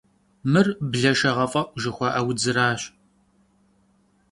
Мыр блэшэгъэфӏэӏу жыхуаӏэ удзращ.